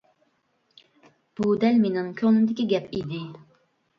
بۇ دەل مېنىڭ كۆڭلۈمدىكى گەپ ئىدى.